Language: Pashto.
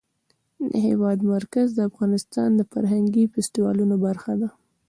د هېواد مرکز د افغانستان د فرهنګي فستیوالونو برخه ده.